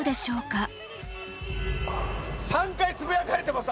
３回つぶやかれてます